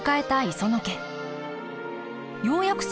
磯野家